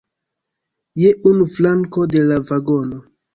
Je unu flanko de la vagono.